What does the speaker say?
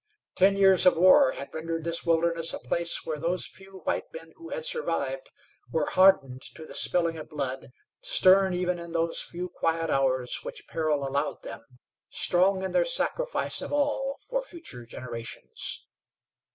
Ten years of war had rendered this wilderness a place where those few white men who had survived were hardened to the spilling of blood, stern even in those few quiet hours which peril allowed them, strong in their sacrifice of all for future generations.